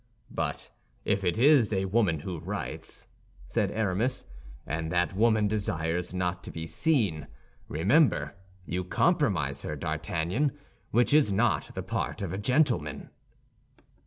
"But if it is a woman who writes," said Aramis, "and that woman desires not to be seen, remember, you compromise her, D'Artagnan; which is not the part of a gentleman."